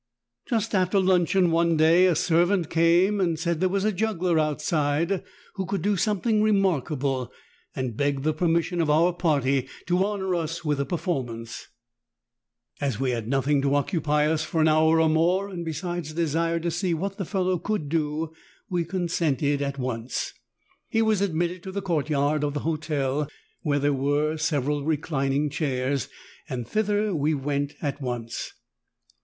Just after luncheon one day a servant came and said there was a juggler outside who could do something remarkable, and begged the permission of our party to honor us with a performance. As 92 THE TALKING HANDKERCHIEF. we had nothing to occupy us for an hour or more, and, besides, desired to see what the fellow could do, we consented at once. He was admitted to the courtyard of the hotel, where there were several reclining chairs, and thither we went at once.